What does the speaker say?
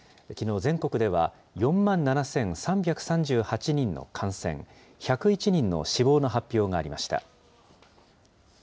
きのう全国では、４万７３３８人の感染、１０１人の死亡の発表がありました。